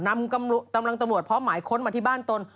นำกำลังตำรวจพร้อมหมายค้นมาที่บ้านตน